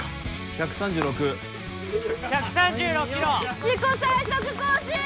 １３６１３６キロ自己最速更新！